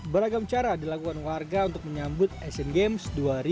beragam cara dilakukan warga untuk menyambut asian games dua ribu delapan belas